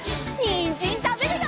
にんじんたべるよ！